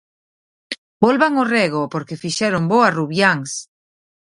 Volvan ao rego, porque fixeron bo a Rubiáns.